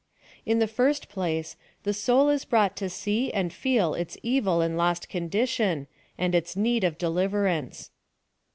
In the first place the soifl is brought to see and feel its evil and lost condition^ and its need of de liverance.